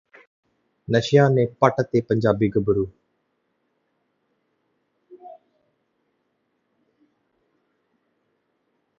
ਨਸ਼ਿਆ ਨੇ ਪੱਟ ਤੇ ਪੰਜਾਬੀ ਗੱਭਰੂ